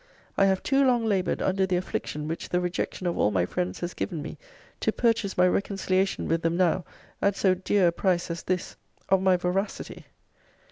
I have too long laboured under the affliction which the rejection of all my friends has given me, to purchase my reconciliation with them now at so dear a price as this of my veracity.